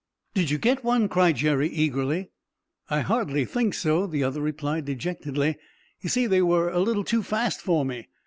"Did you get one?" cried Jerry eagerly. "I hardly think so," the other replied dejectedly. "You see, they were a little too fast for me.